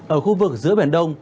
ở khu vực giữa biển đông